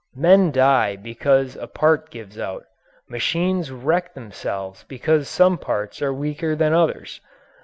Men die because a part gives out. Machines wreck themselves because some parts are weaker than others.